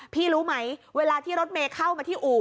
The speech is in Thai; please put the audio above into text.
รู้ไหมเวลาที่รถเมย์เข้ามาที่อู่